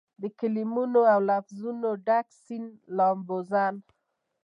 دکلمو اودلفظونو دډک سیند لامبوزن